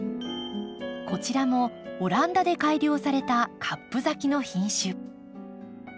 こちらもオランダで改良されたカップ咲きの品種。